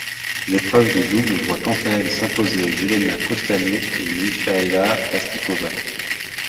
L'épreuve de double voit quant à elle s'imposer Jelena Kostanić et Michaela Paštiková.